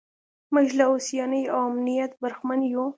موږ له هوساینې او امنیت برخمن یو.